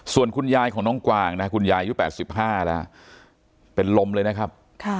ส่วนคุณยายของน้องกวางนะคุณยายอายุ๘๕แล้วเป็นลมเลยนะครับ